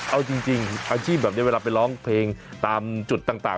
เอาจริงอาชีพแบบนี้เวลาไปร้องเพลงตามจุดต่าง